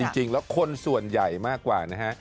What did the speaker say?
จริงแล้วคนส่วนใหญ่มากกว่านะฮะ